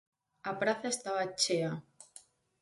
A praza estaba chea.